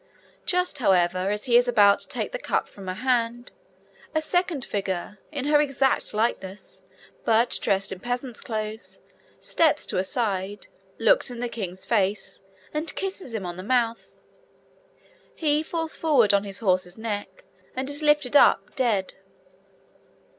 Just, however, as he is about to take the cup from her hand, a second figure, in her exact likeness, but dressed in peasant's clothes, steps to her side, looks in the king's face, and kisses him on the mouth. He falls forward on his horse's neck, and is lifted up dead.